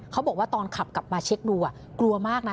เขาบอกว่าตอนขับกลับมาเช็คดูกลัวมากนะ